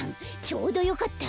ちょうどよかった。